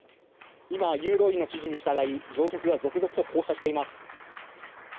今、誘導員の指示に従い乗客が続々と降車しています。